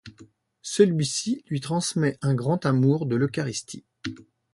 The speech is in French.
Celui-ci lui transmet un grand amour de l'Eucharistie.